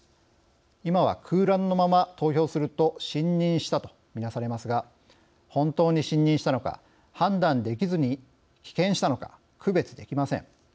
今は、空欄のまま投票すると信任したと見なされますが本当に信任したのか判断できずに棄権したのか区別できません。